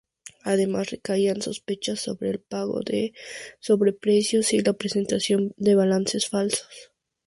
Además recaían sospechas sobre el pago de sobreprecios y la presentación de balances falsos.